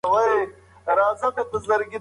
د علم له لارې هوډ قوي کیږي.